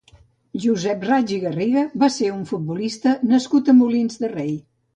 Josep Raich i Garriga va ser un futbolista nascut a Molins de Rei.